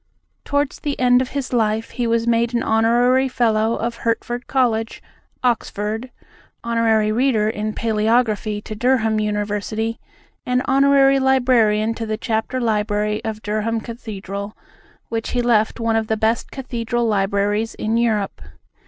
Towards the end of his life he was made an Honorary Fellow of Hertford College, Oxford, Honorary Reader in Palæography to Durham University, and Honorary Librarian to the Chapter Library of Durham Cathedral, which he left one of the best cathedral libraries in Europe.